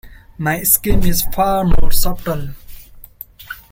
My scheme is far more subtle.